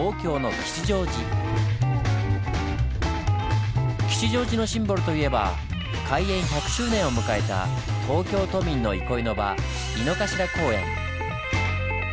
吉祥寺のシンボルといえば開園１００周年を迎えた東京都民の憩いの場井の頭公園。